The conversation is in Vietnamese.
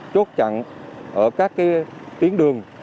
chốt chặn ở các tiến đường